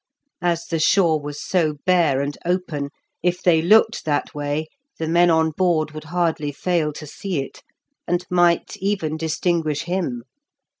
As the shore was so bare and open, if they looked that way the men on board would hardly fail to see it, and might even distinguish him.